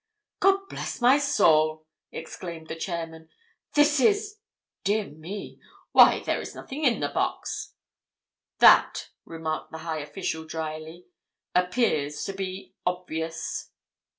"God bless my soul!" exclaimed the chairman. "This is—dear me!—why, there is nothing in the box!" "That," remarked the high official, drily, "appears to be obvious."